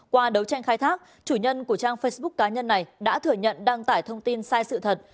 qua đấu tranh khai thác chủ nhân của trang facebook cá nhân này đã thừa nhận đăng tải thông tin sai sự thật